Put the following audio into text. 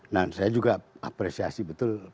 nah saya juga apresiasi betul